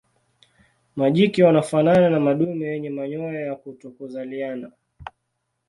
Majike wanafanana na madume yenye manyoya ya kutokuzaliana.